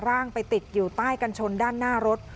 ร่างไปติดอยู่ใต้กันชนด้านหน้ารถ